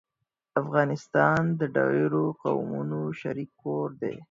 افغانستان د ډېرو قومونو شريک کور دی